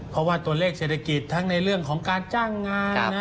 เพราะว่าตัวเลขเศรษฐกิจทั้งในเรื่องของการจ้างงานนะ